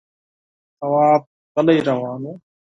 تواب غلی روان و.